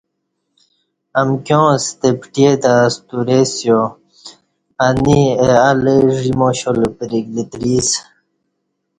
امکیاں ستہ پٹئ تہ ستورئی سِیا انی اہ الہ ژی ماشال پرِک لتیری اسہ